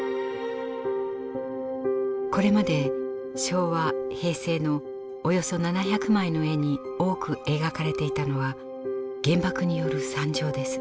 これまで昭和・平成のおよそ７００枚の絵に多く描かれていたのは原爆による惨状です。